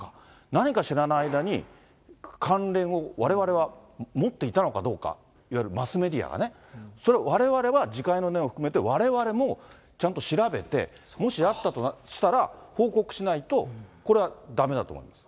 何か知らない間に、関連をわれわれは持っていたのかどうか、いわゆるマスメディアがね、それ、われわれは自戒の念も含めて、われわれもちゃんと調べて、もしあったとしたら報告しないと、これはだめだと思うんです。